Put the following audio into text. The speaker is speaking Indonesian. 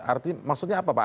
artinya apa pak